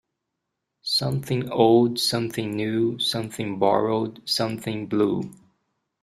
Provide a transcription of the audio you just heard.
Something old, something new, something borrowed, something blue.